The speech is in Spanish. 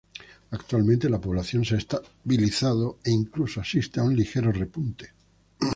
Actualmente la población se ha estabilizado e incluso asiste a un ligero repunte.